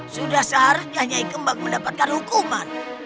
sudah seharusnya eik mendapatkan hukuman